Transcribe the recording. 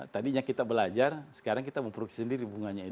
tadinya kita belajar sekarang kita memproduksi sendiri bunganya itu